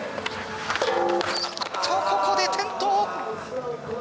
ここで転倒！